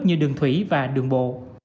như đường thủy và đường bộ